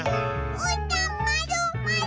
うーたんまるまる！